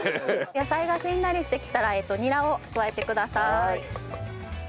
野菜がしんなりしてきたらニラを加えてください。